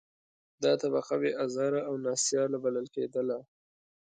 دا طبقه بې آزاره او نا سیاله بلل کېدله.